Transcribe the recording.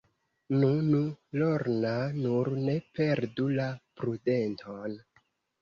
Nu, nu, Lorna, nur ne perdu la prudenton.